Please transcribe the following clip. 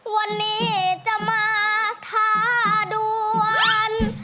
วันนี้จะมาทาดวน